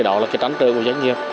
đó là trang trại của doanh nghiệp